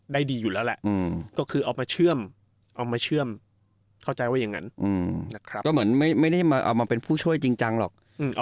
ได้ดีอยู่แล้วแหละเหมือนไม่ได้มาเป็นผู้ช่วยจริงจังหรอก